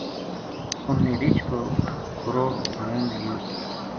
اُنھ نے رچھ کو کھُرو ڈھُونڈ لیو